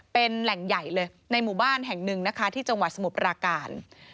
เป็นแหล่งใหญ่เลยในหมู่บ้านแห่งหนึ่งนะคะที่จังหวัดสมุทรปราการ